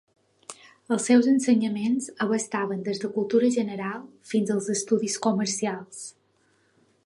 Els seus ensenyaments abastaven des de cultura general fins alts estudis comercials.